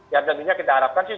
ya tentunya kita harapkan sih